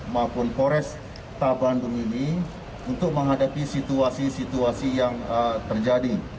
maupun polresta bandung ini untuk menghadapi situasi situasi yang terjadi